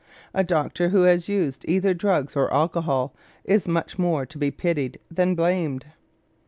A doctor who has used either drugs or alcohol is much more to be pitied than blamed.